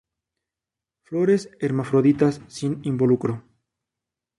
Flores hermafroditas, sin involucro.